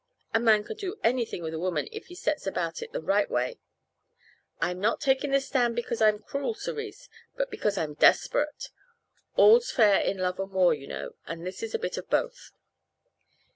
A man can do anything with a woman if he sets about it the right way. I'm not taking this stand because I'm cruel, Cerise, but because I'm desperate. All's fair in love and war, you know, and this is a bit of both."